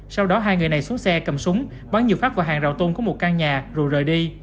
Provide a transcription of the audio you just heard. sau đó hai người này xuống xe cầm súng bắn nhiều phát vào hàng rào tôn của một căn nhà rồi rời đi